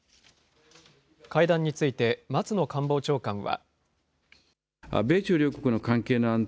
会談について松野官房長官は。